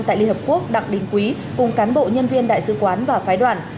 tại liên hợp quốc đặng đình quý cùng cán bộ nhân viên đại sứ quán và phái đoàn